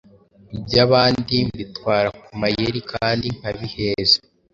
Ibyabandi mbitwara ku mayeri kandi nkabiheza.